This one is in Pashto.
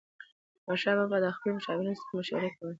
احمدشاه بابا به د خپلو مشاورینو سره مشورې کولي.